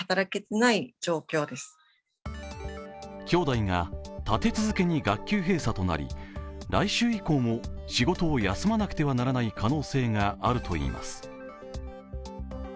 兄弟が立て続けに学級閉鎖となり、来週以降も仕事を休まなくてはならない可能性があるといいます。